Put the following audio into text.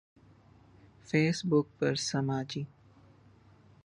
face بک پر سماجی